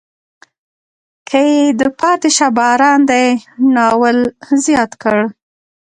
کې یې د پاتې شه باران دی ناول زیات کړ.